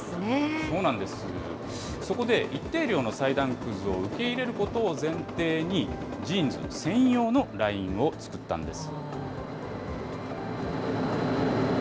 そこで、一定量の裁断くずを受け入れることを前提に、ジーンズ専用のラインを作ったんです。